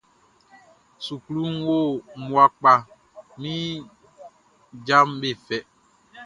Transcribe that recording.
Sukluʼn wo mmua kpa, min jaʼm be fɛ.